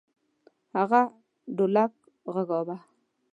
هغه ډولک غږاوه.